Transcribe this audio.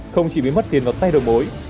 không chỉ bị mất tiền vào tay đồng bối